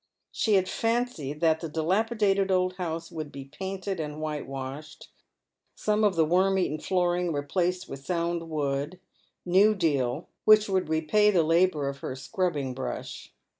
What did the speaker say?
She had fancied that the dilapidated old house would be painted and whitewashed, some of the v/orm eaten flooring replaced with sound woo<:l — new deal — which would repay the labour of her scrubbing brush.